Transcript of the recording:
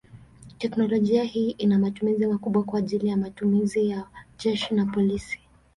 Teknolojia hii ina matumizi makubwa kwa ajili matumizi ya jeshi na polisi.